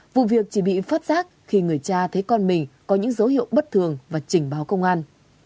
vụ việc chỉ bị phớt rác khi người cha thấy con mình có những dấu hiệu bất thường và trình báo công an